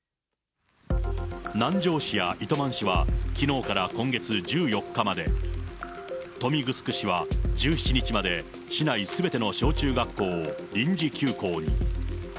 南城市や糸満市は、きのうから今月１４日まで、豊見城市は１７日まで市内すべての小中学校を臨時休校に。